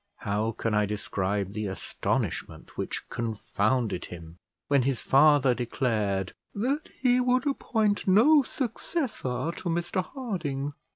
How can I describe the astonishment which confounded him, when his father declared that he would appoint no successor to Mr Harding?